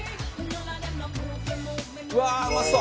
「うわあうまそう！」